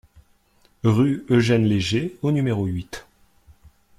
Rue Eugène Léger au numéro huit